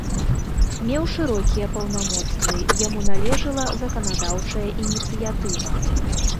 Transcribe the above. Меў шырокія паўнамоцтвы, яму належыла заканадаўчая ініцыятыва.